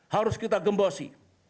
harus kita gembosi